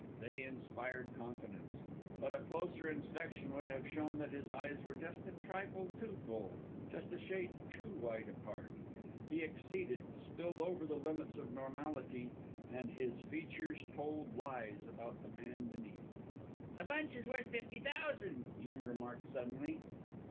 They inspired confidence. But a closer inspection would have shown that his eyes were just a trifle too full, just a shade too wide apart. He exceeded, spilled over the limits of normality, and his features told lies about the man beneath. "The bunch is worth fifty thousan'," Jim remarked suddenly.